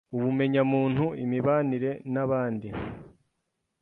ubumenyamuntu, imibanire n’abandi,